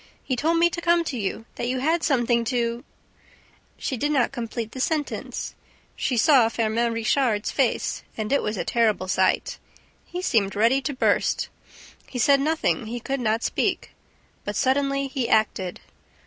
He told me to come to you, that you had something to ..." She did not complete the sentence. She saw Firmin Richard's face; and it was a terrible sight. He seemed ready to burst. He said nothing, he could not speak. But suddenly he acted.